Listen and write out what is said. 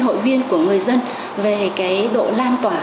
hội viên của người dân về cái độ lan tỏa